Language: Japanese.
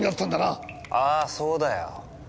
ああそうだよ。